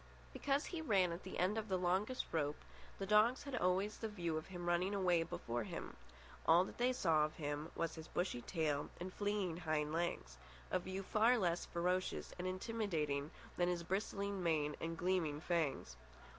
Because he ran at the end of the longest rope, the dogs had always the view of him running away before them. All that they saw of him was his bushy tail and fleeing hind legs—a view far less ferocious and intimidating than his bristling mane and gleaming fangs.